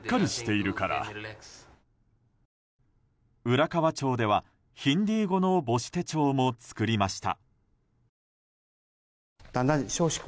浦河町ではヒンディー語の母子手帳も作りました。